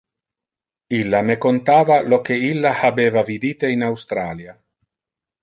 Illa me contava lo que illa habeva vidite in Australia.